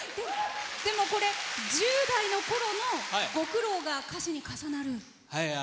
でも、１０代のころのご苦労が歌詞に重なる。